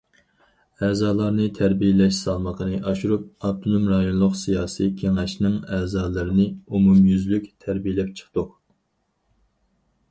ئەزالارنى تەربىيەلەش سالمىقىنى ئاشۇرۇپ، ئاپتونوم رايونلۇق سىياسىي كېڭەشنىڭ ئەزالىرىنى ئومۇميۈزلۈك تەربىيەلەپ چىقتۇق.